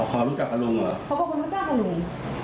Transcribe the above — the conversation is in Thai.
เขารู้จักกับลุงเหรอเขาก็รู้จักกับลุง